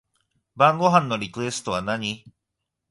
晩ご飯のリクエストは何